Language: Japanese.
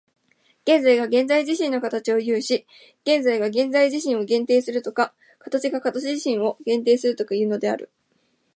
現在が現在自身の形を有し、現在が現在自身を限定するとか、形が形自身を限定するとかいうのである。